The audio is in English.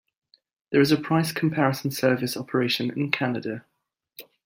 There is a price comparison service operation in Canada.